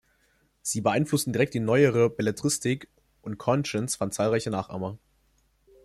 Sie beeinflussten direkt die neuere Belletristik, und Conscience fand zahlreiche Nachahmer.